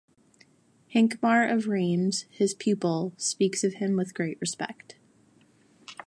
Hincmar of Reims, his pupil, speaks of him with great respect.